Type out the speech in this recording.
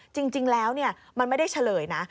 จริงแล้วมันไม่ได้เฉลยนะ